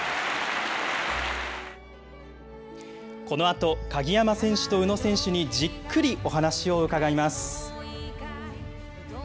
このあと、鍵山選手と宇野選手にじっくりお話を伺います。